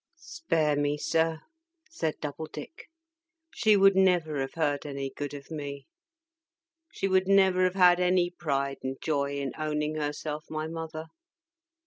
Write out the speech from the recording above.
'" "Spare me, sir," said Doubledick. "She would never have heard any good of me. She would never have had any pride and joy in owning herself my mother.